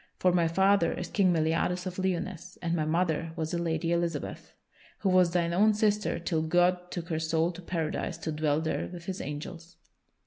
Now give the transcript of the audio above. For my father is King Meliadus of Lyonesse, and my mother was the Lady Elizabeth, who was thine own sister till God took her soul to Paradise to dwell there with His angels."